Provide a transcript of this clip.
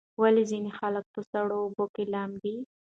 ولې ځینې خلک په سړو اوبو کې لامبي؟